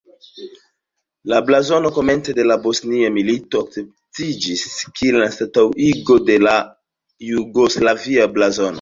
La blazono komence de la Bosnia Milito akceptiĝis kiel anstataŭigo de la jugoslavia blazono.